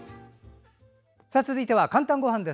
続いては「かんたんごはん」。